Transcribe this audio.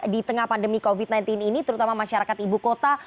di tengah pandemi covid sembilan belas ini terutama masyarakat ibu kota